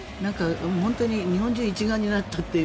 本当に日本人一丸になったという。